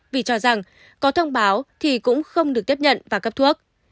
vì cho rằng có thông báo thì cũng không được tiếp nhận và cấp thuốc